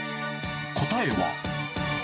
答えは。